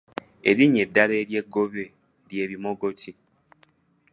Erinnya eddala ery’eggobe lye bimogoti.